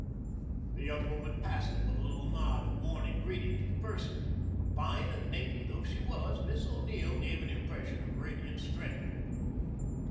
The young woman passed them with a little nod of morning greeting to the purser. Fine and dainty though she was, Miss O'Neill gave an impression of radiant strength.